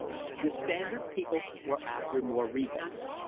The Standard people were after more rebates.